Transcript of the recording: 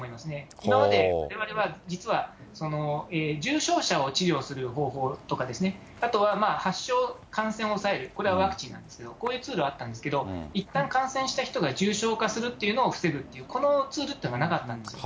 今までわれわれは、実は重症者を治療する方法とか、あとは発症、感染を抑える、これはワクチンなんですけど、こういうツールはあったんですけれども、いったん感染した人が重症化するっていうのを防ぐっていう、このツールっていうのはなかったんです。